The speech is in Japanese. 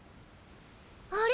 あれ？